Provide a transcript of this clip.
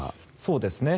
そうですね。